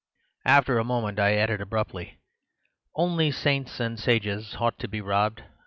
"After a moment I added abruptly, 'Only saints and sages ought to be robbed.